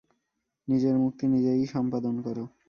নিজের মুক্তি নিজেই সম্পাদন কর।